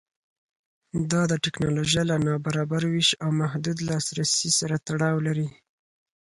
دا د ټکنالوژۍ له نابرابره وېش او محدود لاسرسي سره تړاو لري.